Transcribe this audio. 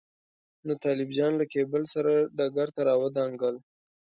نو طالب جان له کېبل سره ډګر ته راودانګل.